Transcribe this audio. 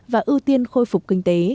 và ưu tiên khôi phục kinh tế